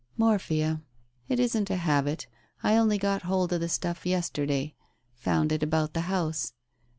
"Morphia. It isn't a habit. I only got hold of the stuff yesterday — found it about the house.